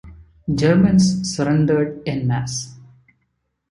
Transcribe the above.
Germans surrendered en masse.